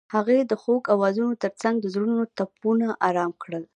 هغې د خوږ اوازونو ترڅنګ د زړونو ټپونه آرام کړل.